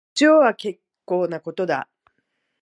一応は結構なことだ